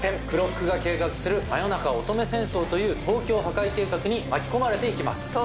黒服が計画する真夜中乙女戦争という東京破壊計画に巻き込まれて行きます。